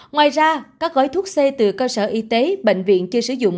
ngoài ra các gói thuốc c từ cơ sở y tế bệnh viện chưa sử dụng